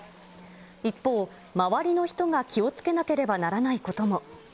一方、周りの人が気をつけなければならないことも。